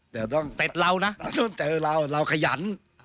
จะต้องเสร็จเราน่ะจะต้องเจอเราเราขยันอ่า